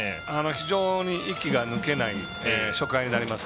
非常に息が抜けない初回になります。